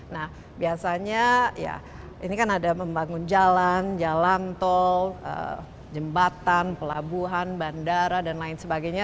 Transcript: nah biasanya ya ini kan ada membangun jalan jalan tol jembatan pelabuhan bandara dan lain sebagainya